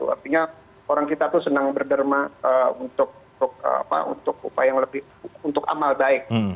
artinya orang kita tuh senang berderma untuk upaya yang lebih untuk amal baik